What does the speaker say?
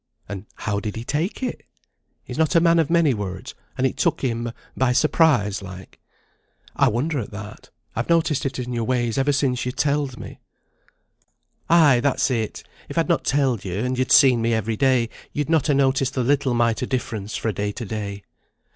"And how did he take it?" "He's not a man of many words; and it took him by surprise like." "I wonder at that; I've noticed it in your ways ever since you telled me." "Ay, that's it! If I'd not telled you, and you'd seen me every day, you'd not ha' noticed the little mite o' difference fra' day to day."